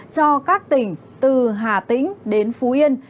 cho các tỉnh từ hà tĩnh đến phú yên